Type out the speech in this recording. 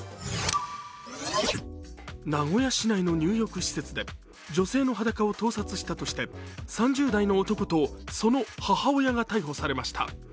名古屋市内の入浴施設で女性の裸を盗撮したとして３０代の男とその母親が逮捕されました。